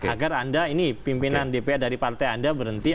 agar anda ini pimpinan dpr dari partai anda berhenti